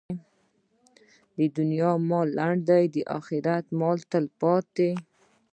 د دنیا مال لنډ دی، د اخرت مال تلپاتې.